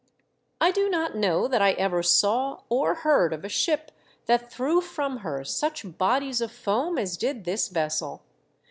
I do not know that I ever saw or heard of a ship that threw from her such bodies of foam as did this vessel.